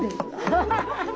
ハハハハ！